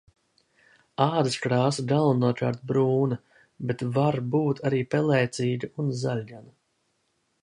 Ādas krāsa galvenokārt brūna, bet var būt arī pelēcīga un zaļgana.